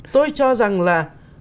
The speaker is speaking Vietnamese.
tôi cho rằng là